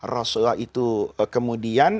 rasulullah itu kemudian